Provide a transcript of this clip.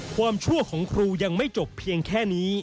ชั่วของครูยังไม่จบเพียงแค่นี้